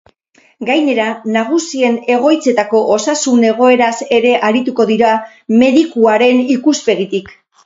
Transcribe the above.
Gainera, nagusien egoitzetako osasun egoeraz ere arituko dira, medikuaren ikuspegitik.